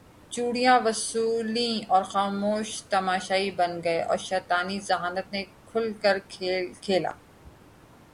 چوڑیاں وصولیں اور خاموش تماشائی بن گئے اور شیطانی ذہانت نے کھل کر کھیل کھیلا